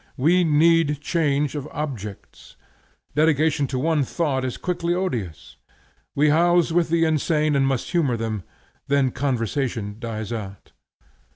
We need change of objects. Dedication to one thought is quickly odious. We house with the insane, and must humor them; then conversation dies out.